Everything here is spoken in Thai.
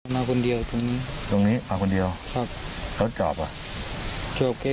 มาคนเดียวตรงนี้ตรงนี้มาคนเดียวครับรถกรอบอ่ะ